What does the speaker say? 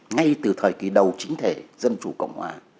ngay từ thời kỳ đầu chính thể dân chủ cộng hòa